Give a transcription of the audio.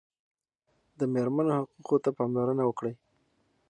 د مېرمنو حقوقو ته پاملرنه وکړئ.